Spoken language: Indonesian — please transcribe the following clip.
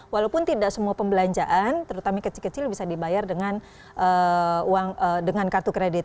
walaupun tidak semua pembelanjaan terutama kecil kecil bisa dibayar dengan kartu kredit